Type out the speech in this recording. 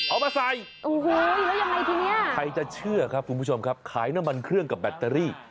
เอามาใส่โอ้โหแล้วยังไงทีนี้ใครจะเชื่อครับคุณผู้ชมครับขายน้ำมันเครื่องกับแบตเตอรี่